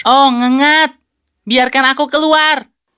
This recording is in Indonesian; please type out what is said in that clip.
oh ngengat biarkan aku keluar